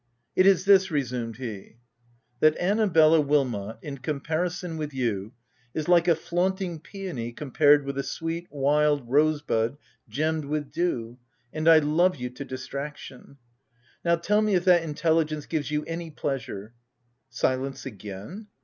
" It is this," resumed he :" that Annabella Wilmot, in comparison with you, is like a flaunting peony compared with a sweet, wild rosebud gemmed with dew — and I love you to distraction !— Now, tell me if that intelli gence gives you any pleasure. — Silence again?